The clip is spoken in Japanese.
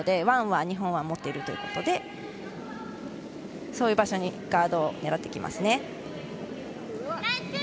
ワンは日本が持っているということでそういう場所にガードを狙います。